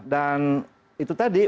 dan itu tadi